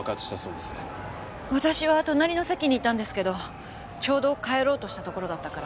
私は隣の席にいたんですけどちょうど帰ろうとしたところだったから。